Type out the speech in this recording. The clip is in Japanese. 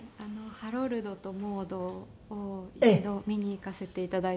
『ハロルドとモード』を一度見に行かせて頂いた事が。